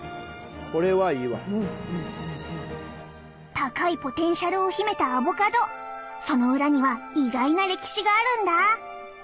高いポテンシャルを秘めたアボカドその裏には意外な歴史があるんだ！